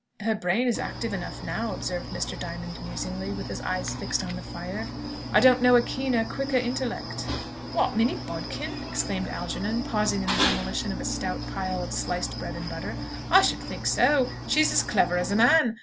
"Her brain is active enough now," observed Mr. Diamond musingly, with his eyes fixed on the fire. "I don't know a keener, quicker intellect." "What, Minnie Bodkin?" exclaimed Algernon, pausing in the demolition of a stout pile of sliced bread and butter. "I should think so! She's as clever as a man!